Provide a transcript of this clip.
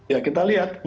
ya kita lihat